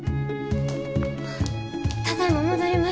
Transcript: ただいま戻りました。